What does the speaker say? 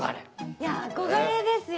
いや、憧れですよ。